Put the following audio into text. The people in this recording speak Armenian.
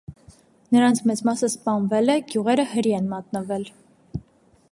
Նրանց մեծ մասը սպանվել է, գյուղերը հրի են մատնվել։